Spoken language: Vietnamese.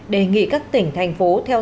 đề nghị các tỉnh thành phố